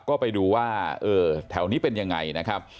ก็ไปดูว่าเออแถวนี้เป็นยังไงนะครับ